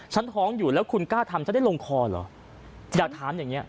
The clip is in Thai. ท้องอยู่แล้วคุณกล้าทำฉันได้ลงคอเหรออยากถามอย่างเงี้